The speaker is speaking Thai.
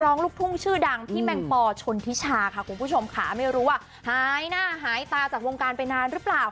ลูกทุ่งชื่อดังพี่แมงปอชนทิชาค่ะคุณผู้ชมค่ะไม่รู้ว่าหายหน้าหายตาจากวงการไปนานหรือเปล่า